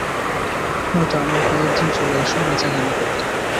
নয়তো আমার বিয়ের দিনে চলে এসো, নাচা গানা করতে।